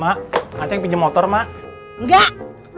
mak aja pinjem motor mak enggak